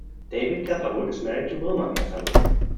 David Catherwood is married to Wilma Catherwood.